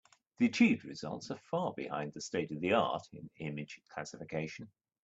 The achieved results are far behind the state-of-the-art in image classification.